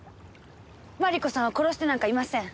麻理子さんは殺してなんかいません。